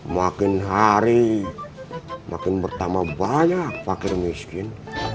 makin hari makin bertambah banyak fakir miskin